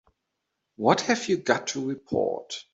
What have you got to report?